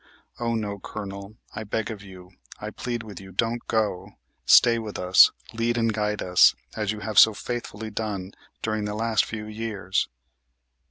Oh, no, Colonel, I beg of you, I plead with you, don't go! Stay with us; lead and guide us, as you have so faithfully done during the last few years!"